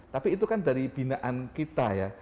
tapi itu kan dari binaan kita ya